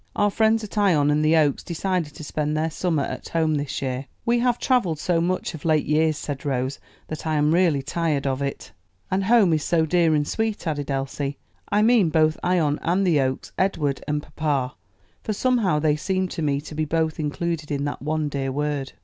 Our friends at Ion and the Oaks decided to spend their summer at home this year. "We have traveled so much of late years," said Rose, "that I am really tired of it." "And home is so dear and sweet," added Elsie. "I mean both Ion and the Oaks, Edward and papa; for somehow they seem to me to be both included in that one dear word."